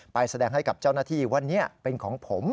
แสดงให้กับเจ้าหน้าที่วันนี้เป็นของผม